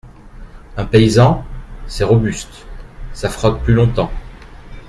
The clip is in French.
Un paysan… c’est robuste, ça frotte plus longtemps.